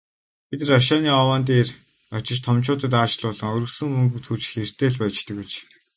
Бид рашааны овоон дээр очиж томчуудад аашлуулан, өргөсөн мөнгө түүж хэрдээ л «баяждаг» байж.